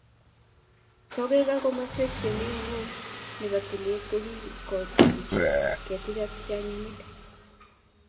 Sokek ak komoswek chemi ngwony nebo tulwet kokikotuch ketik ak tianginik